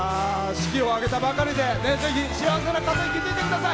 式を挙げたばかりでぜひ幸せな家庭を築いてください。